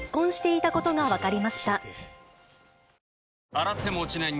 洗っても落ちない